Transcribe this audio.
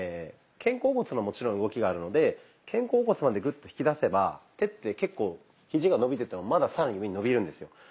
肩甲骨のもちろん動きがあるので肩甲骨までグッと引き出せば手って結構ひじが伸びててもまだ更に上に伸びるんですよ。